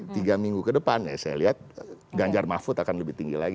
tiga minggu ke depan ya saya lihat ganjar mahfud akan lebih tinggi lagi